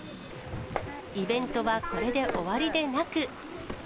イベントはこれで終わりでなく。